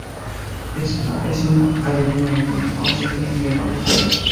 S.p.A es una aerolínea regional con sede en Verona, Italia.